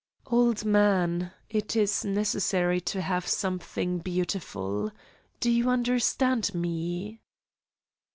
"Old man, it is necessary to have something beautiful. Do you understand me?"